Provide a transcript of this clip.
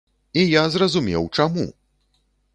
І я зразумеў, чаму!